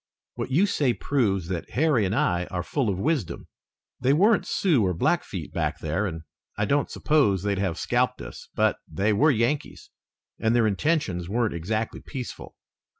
What you say proves that Harry and I are full of wisdom. They weren't Sioux or Blackfeet back there and I don't suppose they'd have scalped us, but they were Yankees and their intentions weren't exactly peaceful.